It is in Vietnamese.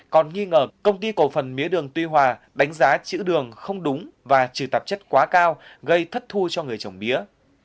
còn nghi ngờ công ty cổ phần mía đường tuy hòa đánh giá chữ đường không đúng và trừ tạp chất quá cao gây thất thu cho người trồng mía